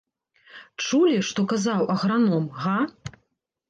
Чулі, што казаў аграном, га?